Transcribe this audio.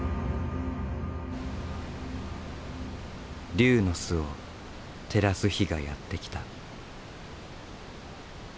龍の巣を照らす日がやって来た。